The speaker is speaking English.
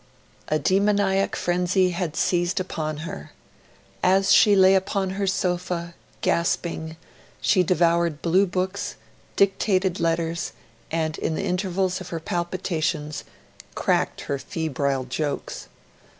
A demoniac frenzy had seized upon her. As she lay upon her sofa, gasping, she devoured blue books, dictated letters, and, in the intervals of her palpitations, cracked her febrile jokes.